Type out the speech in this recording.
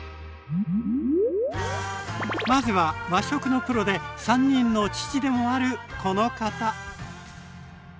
まずは和食のプロで３人の父でもあるこの方！